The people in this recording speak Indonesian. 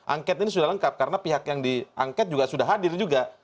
angket ini sudah lengkap karena pihak yang diangket juga sudah hadir juga